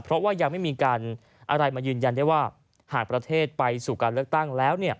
เพราะว่ายังไม่มีการอะไรมายืนยันได้ว่าหากประเทศไปสู่การเลือกตั้งแล้ว